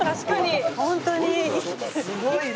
すごいな！